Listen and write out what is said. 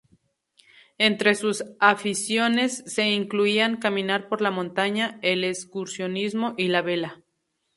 Entre sus aficiones se incluían caminar por la montaña, el excursionismo y la vela.